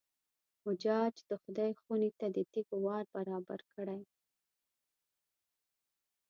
حجاج د خدای خونې ته د تېږو وار برابر کړی.